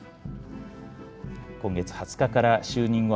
今月２０日から就任後